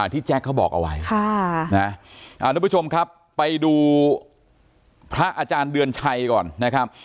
ที่แจ๊คเขาบอกเอาไว้ทุกผู้ชมครับไปดูพระอาจารย์เดือนชัยก่อนนะครับ